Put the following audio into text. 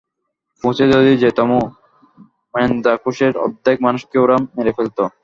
পৌঁছে যদি যেতামও, ম্যান্দ্রাকোসের অর্ধেক মানুষকে ওরা মেরে ফেলত!